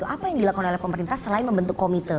apa yang dilakukan oleh pemerintah selain membentuk komite